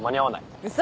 ウソ！